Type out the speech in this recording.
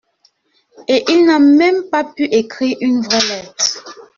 Et il n'a même pas pu écrire une vraie lettre.